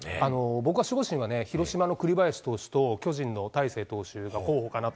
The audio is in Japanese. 僕は守護神はね、広島の栗林投手と、巨人の大勢投手が候補かなと。